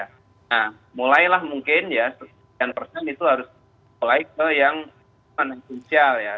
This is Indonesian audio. nah mulailah mungkin ya sekitar sepuluh itu harus mulai ke yang esensial ya